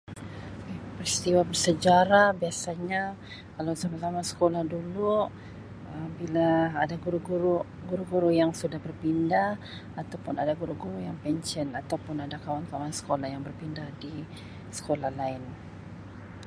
Peristiwa bersejarah biasanya kalau sama-sama sekolah dulu Um bila ada guru-guru guru-guru yang sudah berpindah Um ataupun ada guru-guru yang pencen ataupun ada kawan-kawan sekolah yang berpindah di sekolah lain.